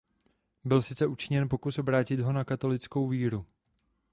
Byl sice učiněn pokus obrátit ho na katolickou víru.